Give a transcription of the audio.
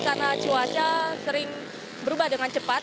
karena cuaca sering berubah dengan cepat